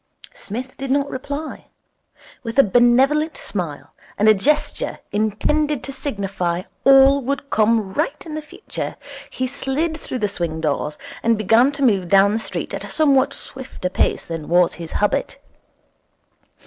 Psmith did not reply. With a benevolent smile and a gesture intended to signify all would come right in the future, he slid through the swing doors, and began to move down the street at a somewhat swifter pace than was his habit.